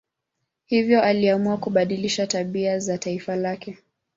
Hivyo aliamua kubadilisha tabia za taifa lake.